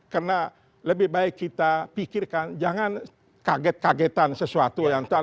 karena lebih baik kita pikirkan jangan kaget kagetan sesuatu yang